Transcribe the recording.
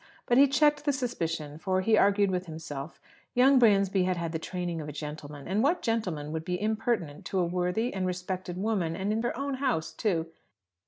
But he checked the suspicion, for, he argued with himself, young Bransby had had the training of a gentleman. And what gentleman would be impertinent to a worthy and respected woman, and in her own house, too?